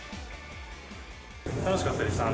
楽しかったです。